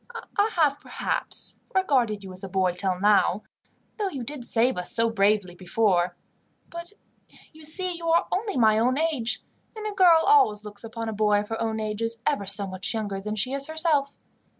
"I have, perhaps, regarded you as a boy till now, though you did save us so bravely before; but you see you are only my own age, and a girl always looks upon a boy of her own age as ever so much younger than she is herself.